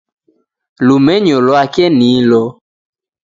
Lumenyo lwake nilo